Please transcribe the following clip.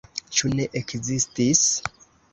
Ĉu ne ekzistis?